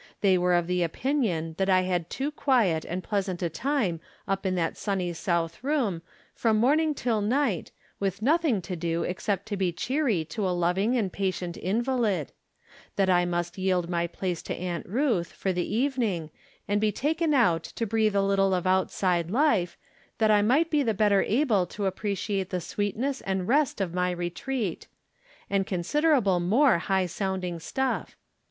They were of the opinion that I had too quiet and pleasant a time up in that sunny south room, from morning till night, with nothing to do except to be cheery to a loving and patient in valid ; that I must yield my place to Aunt Ruth, for the evening, and be taken out to breathe a little of outside life, that I might be the better able to appreciate the sweetness and rest of my retreat ; and considerable more high sounding stuff.